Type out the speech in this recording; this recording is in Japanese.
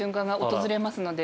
訪れます？